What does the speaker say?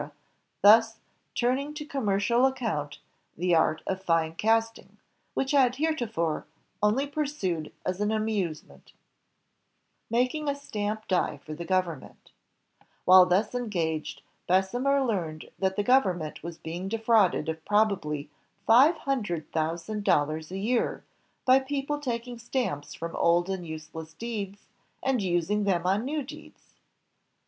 thus turning to commer cial accouint the art of 'fine casting,' which I had hereto fore only pursued as an amusement." 170 INVENTIONS OF MANUFACTURE AND PRODUCTION Making a Stamp Die for the Governuent While thus engaged, Bessemer learned that the govern ment was bemg defrauded of probably five hundred thou sand dollars a year, by people taking stamps from old and useless deeds, and using them on new deeds.